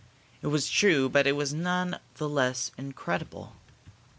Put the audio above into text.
It was true, but it was none the less incredible.